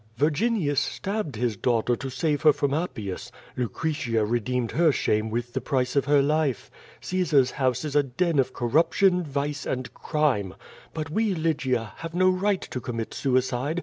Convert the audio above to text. Virginius stabbed his daugh ter to save her from Appius; Lucretia redeemed her shame with the price of her life. Caesar's house is a den of corrup 38 Q^'O TADI8. tion, vice, and crime. But wo, Lj^gia, have no right to com mit suicide.